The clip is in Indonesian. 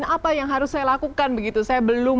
apa yang harus saya lakukan begitu saya belum